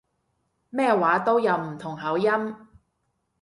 咩話都有唔同口音